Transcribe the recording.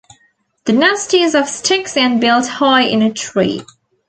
The nest is of sticks and built high in a tree.